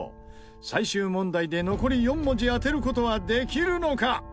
最終問題で残り４文字当てる事はできるのか？